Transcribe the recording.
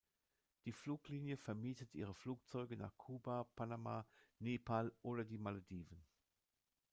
Die Fluglinie vermietet ihre Flugzeuge nach Kuba, Panama, Nepal oder die Malediven.